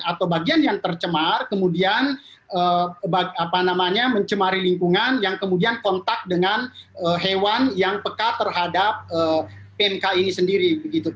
atau bagian yang tercemar kemudian mencemari lingkungan yang kemudian kontak dengan hewan yang pekat terhadap pmk ini sendiri